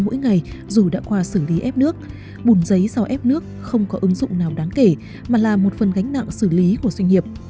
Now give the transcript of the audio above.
mỗi ngày dù đã qua xử lý ép nước bùn giấy sau ép nước không có ứng dụng nào đáng kể mà là một phần gánh nặng xử lý của doanh nghiệp